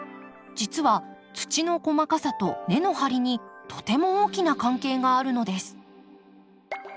実は土の細かさと根の張りにとても大きな関係があるのです。